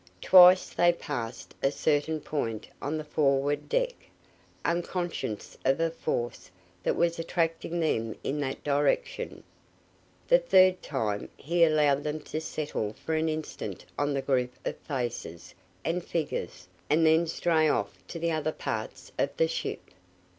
Twice they passed a certain point on the forward deck, unconscious of a force that was attracting them in that direction. The third time he allowed them to settle for an instant on the group of faces and figures and then stray off to other parts of the ship.